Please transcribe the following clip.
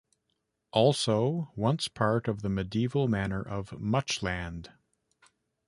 Also once part of the medieval manor of Muchland.